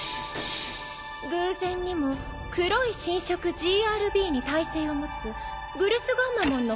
偶然にも黒い侵食ＧＲＢに耐性を持つグルスガンマモンの監視役じゃ。